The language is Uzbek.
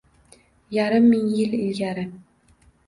Yarim ming yil ilgari